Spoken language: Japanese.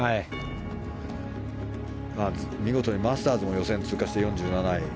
見事にマスターズの予選を通過して、４７位。